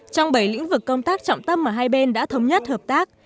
trong bảy lĩnh vực công tác trọng tâm mà hai bên đã thống nhất hợp tác